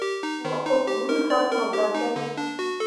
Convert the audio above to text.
Mo ur ḍul happe mo gah ki ne.